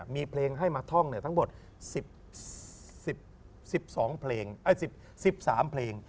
มีพลิ่งให้มาท่องตั้งหมด๑๓เพลง